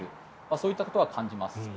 そういったことは感じます。